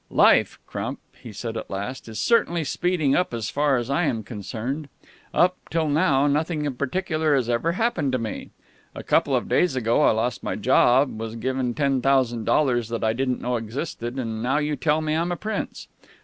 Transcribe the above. "Life, Crump," he said at last, "is certainly speeding up as far as I am concerned. Up till now nothing in particular has ever happened to me. A couple of days ago I lost my job, was given ten thousand dollars that I didn't know existed, and now you tell me I'm a prince.